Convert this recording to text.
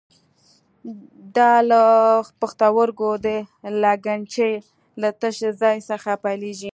دا له پښتورګو د لګنچې له تش ځای څخه پیلېږي.